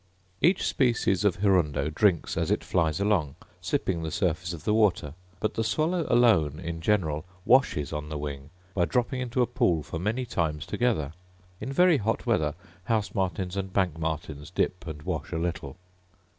Each species of hirundo drinks as it flies along, sipping the surface of the water; but the swallow alone, in general, washes on the wing, by dropping into a pool for many times together: in very hot weather house martins and bank martins dip and wash a little.